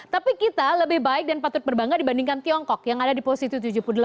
tapi kita lebih baik dan patut berbangga dibandingkan tiongkok yang ada di posisi tujuh puluh delapan